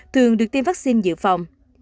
thường được tiêm vaccine dự phòng